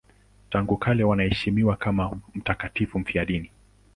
Tangu kale wanaheshimiwa kama mtakatifu mfiadini.